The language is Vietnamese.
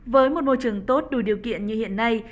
với một môi trường tốt đủ điều kiện như hiện nay